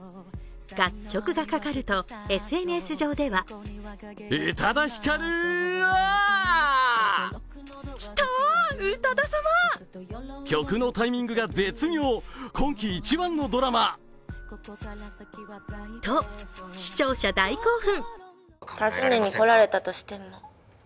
楽曲がかかると、ＳＮＳ上ではと、視聴者大興奮。